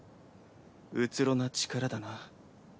うつろな力だな。